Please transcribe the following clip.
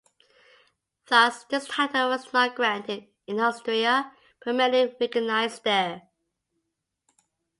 Thus this title was not granted in Austria, but merely recognized there.